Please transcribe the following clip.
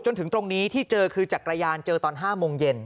จนถึงตรงนี้ที่เจอคือจักรยานเจอตอน๕โมงเย็น